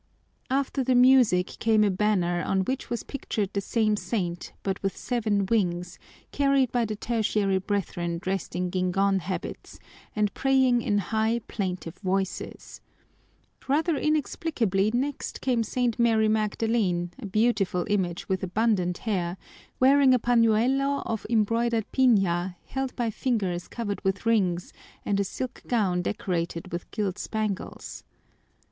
After the music came a banner on which was pictured the same saint, but with seven wings, carried by the Tertiary Brethren dressed in guingón habits and praying in high, plaintive voices. Rather inexplicably, next came St. Mary Magdalene, a beautiful image with abundant hair, wearing a pañuelo of embroidered piña held by fingers covered with rings, and a silk gown decorated with gilt spangles.